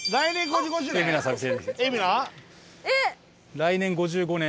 来年５５年。